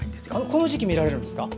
この時期見られるんですか？